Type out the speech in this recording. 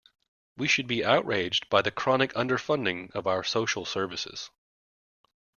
We should be outraged by the chronic underfunding of our social services.